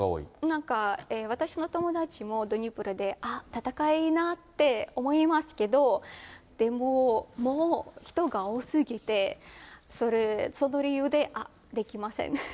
なんか、私の友達も、ドニプロで戦いなって思いますけど、でも、もう人が多すぎて、その理由でできません。